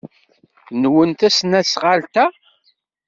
Nwen tesnasɣalt-a?